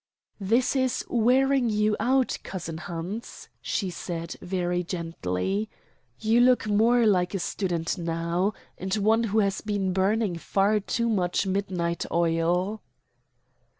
"This is wearing you out, cousin Hans," she said very gently. "You look more like a student now, and one who has been burning far too much midnight oil."